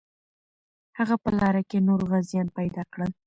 هغه په لاره کې نور غازیان پیدا کړل.